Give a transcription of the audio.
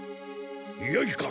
よいか。